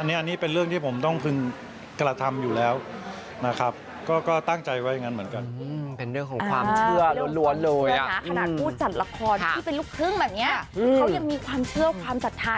อร์มเป็นเรื่องของความเชื่อรวดค่ะ